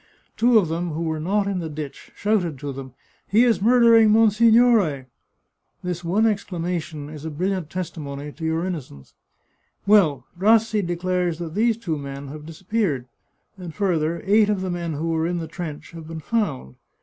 Two of them who were not in the ditch shouted to them, * He is murdering monsignore !' This one exclamation is a brilliant testimony to your innocence. Well, Rassi declares that these two men have disappeared, and further, eight of the men who were in the trench have been found.